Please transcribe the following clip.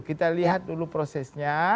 kita lihat dulu prosesnya